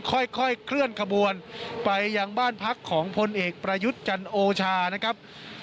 ค่อยเคลื่อนขบวนไปยังบ้านพักของพลเอกประยุทธ์จันโอชานะครับ